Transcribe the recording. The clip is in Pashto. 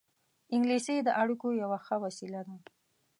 انګلیسي د اړیکو یوه ښه وسیله ده